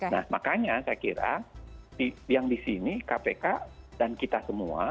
nah makanya saya kira yang di sini kpk dan kita semua